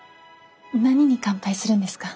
何に乾杯するんですか？